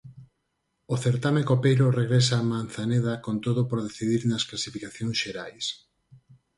O certame copeiro regresa a Manzaneda con todo por decidir nas clasificacións xerais.